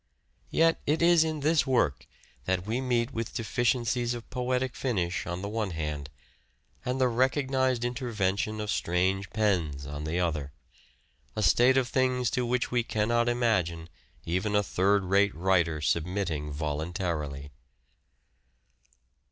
Yet it is in this work 412 "SHAKESPEARE' IDENTIFIED that we meet with deficiencies of poetic finish on the one hand, and the recognized intervention of strange pens on the other : a state of things to which we cannot imagine even a third rate writer submitting voluntarily.